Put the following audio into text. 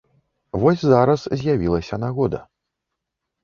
Вось зараз з'явілася нагода.